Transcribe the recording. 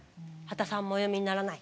刄田さんもお読みにならない？